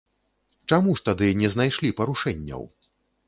Чаму ж тады не знайшлі парушэнняў?